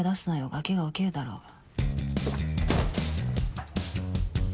ガキが起きるだろうが。